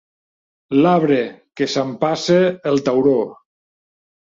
L'arbre que s'empassa el tauró.